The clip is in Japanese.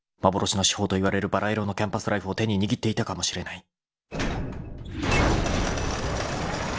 ［幻の至宝といわれる「ばら色のキャンパスライフ」を手に握っていたかもしれない］